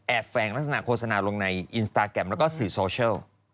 แฝงลักษณะโฆษณาลงในอินสตาแกรมแล้วก็สื่อโซเชียล